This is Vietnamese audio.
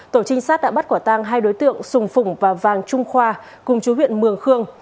tổ trinh sát đã bắt quả tang hai đối tượng sùng phùng và vàng trung khoa cùng chú huyện mường khương